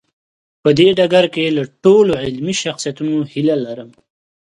په دې ډګر کې له ټولو علمي شخصیتونو هیله لرم.